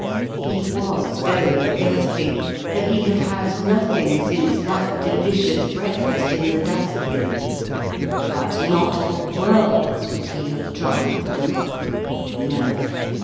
He was very thirsty, for he had had nothing since that delicious breakfast in the dust bin. But not for worlds would he have drunk the milk. No.